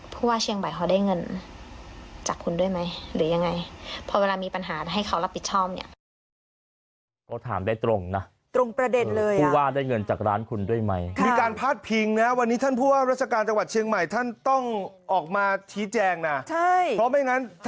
ผู้ว่าเชียงใหม่เขาได้เงินจากคุณด้วยไหมหรือยังไง